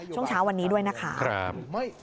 ช่วงเช้าวันนี้ด้วยนะคะ